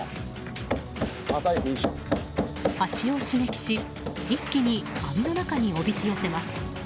ハチを刺激し一気に網の中におびき寄せます。